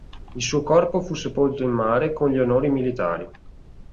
Il suo corpo fu sepolto in mare con gli onori militari.